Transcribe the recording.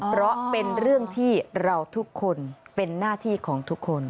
เพราะเป็นเรื่องที่เราทุกคนเป็นหน้าที่ของทุกคน